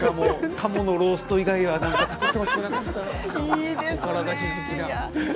鴨のロースト以外は作ってほしくなかったな。